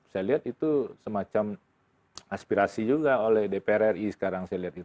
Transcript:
saya lihat itu semacam aspirasi juga oleh dpr ri sekarang saya lihat